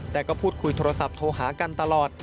แต่ก็พูดคุยโทรศัพท์โทรหากันตลอด